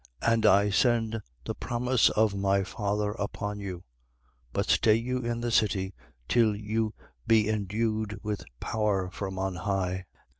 24:49. And I send the promise of my Father upon you: but stay you in the city till you be endued with power from on high.